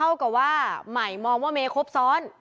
เท่ากับว่ามัยมองว่าเมฆครบซ้อน